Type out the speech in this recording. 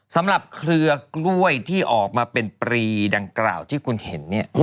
สำหรับเคลือกล้วยที่ออกมาเป็นปรีดังกล่าวที่คุณเห็น